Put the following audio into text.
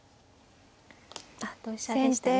あっ同飛車でしたね。